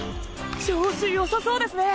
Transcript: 調子良さそうですね。